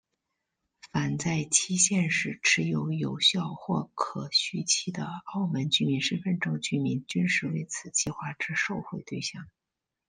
凡在限期时持有有效或可续期的澳门居民身份证居民均是为此计划之受惠对象。